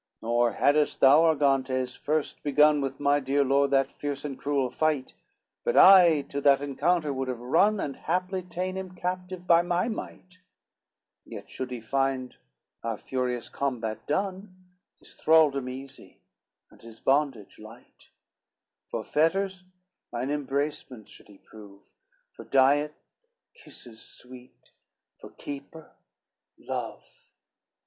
LXXXIV "Nor haddest thou, Argantes, first begun With my dear lord that fierce and cruel fight, But I to that encounter would have run, And haply ta'en him captive by my might; Yet should he find, our furious combat done, His thraldom easy, and his bondage light; For fetters, mine embracements should he prove; For diet, kisses sweet; for keeper, love.